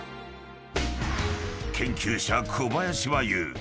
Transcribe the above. ［研究者小林は言う］